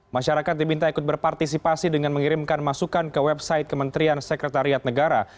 masyarakat diminta ikut berpartisipasi dengan mengirimkan masukan ke website kementerian sekretariat negara